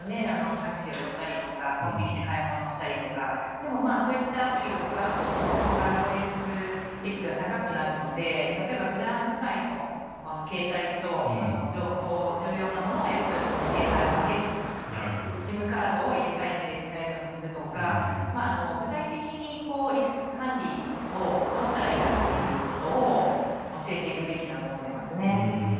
タクシーを呼んだりとかコンビニで買い物をしたりとかでも、そういったアプリを使うと情報が漏えいするリスクが高くなるので例えば、普段使いの携帯と重要なものをやり取りする携帯を分けるとかＳＩＭカードを入れ替えて使えるようにするとか具体的に、リスク管理をどうしたらいいかということを教えていくべきだと思いますね。